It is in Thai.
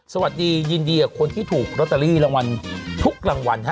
สวัสดียินดีกับคนที่ถูกลอตเตอรี่รางวัลทุกรางวัล